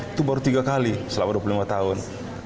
itu baru tiga kali selama dua puluh lima tahun